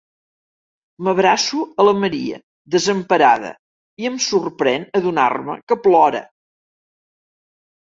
M'abraço a la Maria, desemparada, i em sorprèn adonar-me que plora.